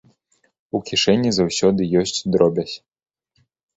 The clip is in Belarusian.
У кішэні заўсёды ёсць дробязь.